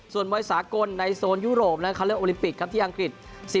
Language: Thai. ส่วนมวยสากลในโซนยุโรปเขาเลือกโอลิมปิกครับที่อังกฤษ